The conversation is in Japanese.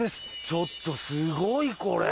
ちょっとすごいこれ。